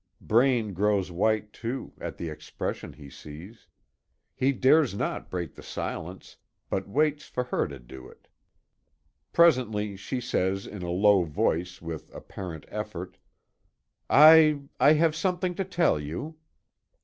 Braine grows white, too, at the expression he sees. He dares not break the silence, but waits for her to do it. Presently she says, in a low voice, with apparent effort: "I I have something to tell you."